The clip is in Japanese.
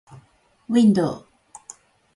window